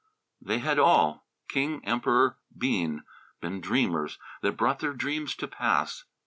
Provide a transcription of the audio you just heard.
They had all King, Emperor, Bean been dreamers that brought their dreams to pass.